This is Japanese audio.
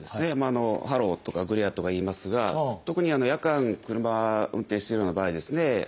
ハローとかグレアとか言いますが特に夜間車運転してるような場合ですね